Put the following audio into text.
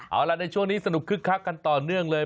เอาล่ะในช่วงนี้สนุกคึกคักกันต่อเนื่องเลย